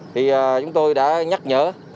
thì chúng tôi đã nhắc nhở